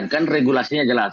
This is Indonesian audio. kan regulasinya jelas